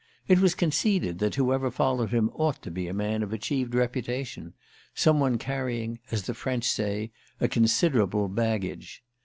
It was conceded that whoever followed him ought to be a man of achieved reputation, some one carrying, as the French say, a considerable "baggage."